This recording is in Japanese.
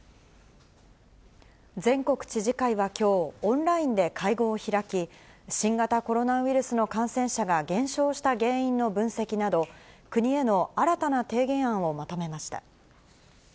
全国知事会はきょう、オンラインで会合を開き、新型コロナウイルスの感染者が減少した原因の分析など、国への新たな提言案をまとめました。